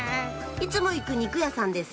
いつも行く肉屋さんです